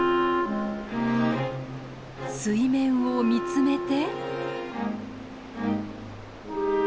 水面を見つめて。